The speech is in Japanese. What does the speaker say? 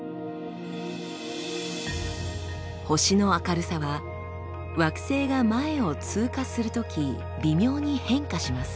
星の明るさは惑星が前を通過するとき微妙に変化します。